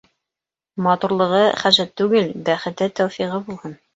Матурлығы хәжәт түгел, бәхсте-тәүфиғы булһын.